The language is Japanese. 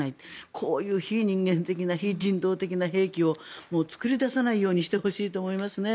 こういう、非人間的な非人道的な兵器を作り出さないようにしてほしいと思いますね。